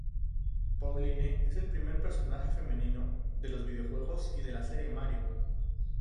Pauline es el primer personaje femenino de los videojuegos y de la serie Mario.